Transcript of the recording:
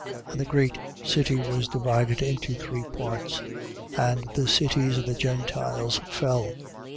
16:19. And the great city was divided into three parts: and the cities of the Gentiles fell.